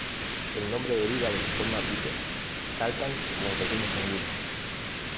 El nombre deriva de su forma bípeda, saltan como pequeños canguros.